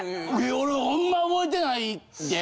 俺ほんま覚えてないで？